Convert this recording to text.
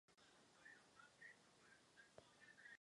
Jde o z největších ropných přístavů ve Středomoří.